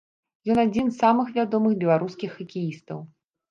Ён адзін з самых вядомых беларускіх хакеістаў.